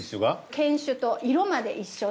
犬種と色まで一緒で。